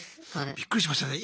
びっくりしましたね